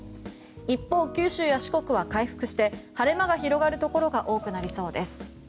一方、九州や四国は回復して晴れ間が広がるところが多くなりそうです。